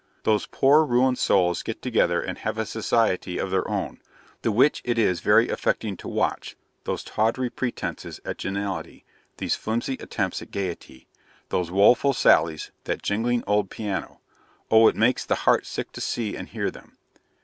Those poor ruined souls get together and have a society of their own, the which it is very affecting to watch those tawdry pretences at gentility, those flimsy attempts at gaiety: those woful sallies: that jingling old piano; oh, it makes the heart sick to see and hear them.